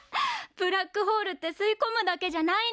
ブラックホールって吸いこむだけじゃないんだね。